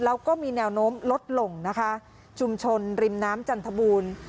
แล้วก็มีแนวโน้มลดลงนะคะชุมชนริมน้ำจันทบูรณ์